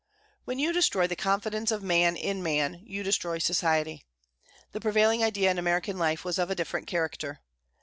When you destroy the confidence of man in man, you destroy society. The prevailing idea in American life was of a different character.